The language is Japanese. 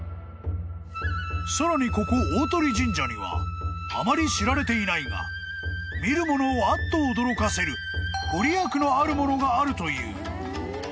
［さらにここ鷲神社にはあまり知られていないが見る者をあっと驚かせる御利益のあるものがあるという］